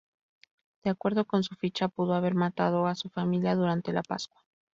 De acuerdo con su ficha, pudo haber matado a su familia durante la Pascua.